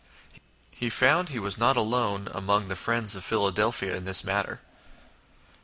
He found he was not alone among the Friends of Philadelphia in this matter.